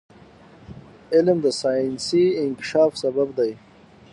علم د ساینسي انکشاف سبب دی.